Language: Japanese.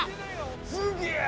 すげえ！